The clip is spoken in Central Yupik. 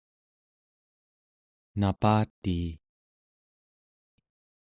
napatii